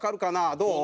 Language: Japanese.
どう？